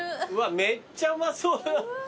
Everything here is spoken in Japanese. めっちゃうまそう。